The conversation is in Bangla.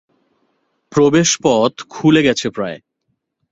প্রবেশপথ খুলে গেছে প্রায়।